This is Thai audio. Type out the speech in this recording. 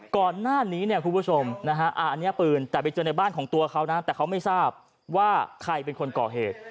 ก่อนหน้านี้เนี่ยคุณผู้ชมนะฮะอันนี้ปืนแต่ไปเจอในบ้านของตัวเขานะแต่เขาไม่ทราบว่าใครเป็นคนก่อเหตุ